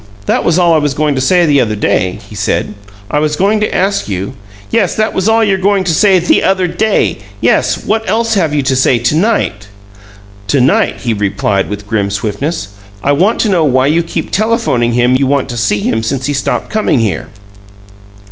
"That was all I was going to say the other day," he said. "I was going to ask you " "Yes, that was all you were going to say THE OTHER DAY. Yes. What else have you to say to night?" "To night," he replied, with grim swiftness, "I want to know why you keep telephoning him you want to see him since he stopped coming here."